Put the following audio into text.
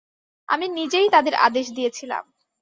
আমি নিজেই তাদের আদেশ দিয়েছিলাম।